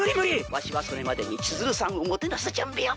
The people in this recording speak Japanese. わしはそれまでに千鶴さんをもてなす準備を。